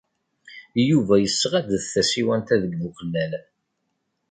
Yuba yesɣa-d tasiwant-a deg Buqellal.